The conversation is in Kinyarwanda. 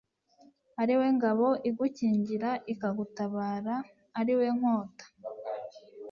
ari we ngabo igukingira ikagutabara ari we nkota